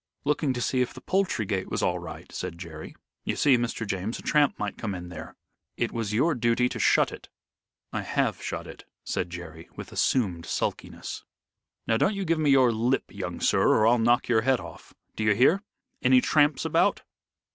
"Looking to see if the poultry gate was all right," said Jerry. "You see, Mr. James, a tramp might come in there." "It was your duty to shut it." "I have shut it," said Jerry, with assumed sulkiness. "Now don't you give me your lip, young sir, or I'll knock your head off do you hear? Any tramps about?"